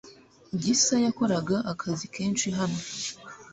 Gisa yakoraga akazi kenshi hano .